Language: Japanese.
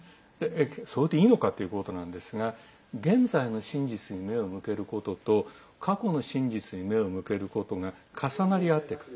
それでいいのかということなんですが現在の真実に目を向けることと過去の真実に目を向けることが重なり合っていく。